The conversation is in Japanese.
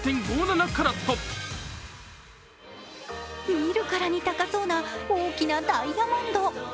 見るからに高そうな大きなダイヤモンド。